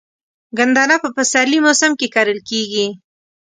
ګندنه په پسرلي موسم کې کرل کیږي.